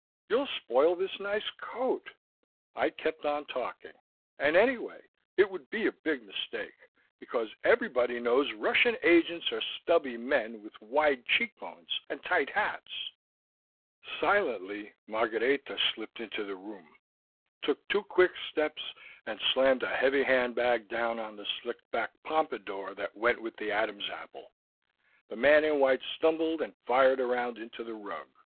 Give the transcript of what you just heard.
"You'll spoil this nice coat...." I kept on talking: "And anyway it would be a big mistake, because everybody knows Russian agents are stubby men with wide cheekbones and tight hats " Silently Margareta slipped into the room, took two quick steps, and slammed a heavy handbag down on the slicked back pompadour that went with the Adam's apple. The man in white stumbled and fired a round into the rug.